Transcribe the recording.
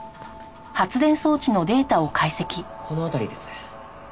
この辺りです。